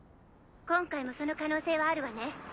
今回もその可能性はあるわね。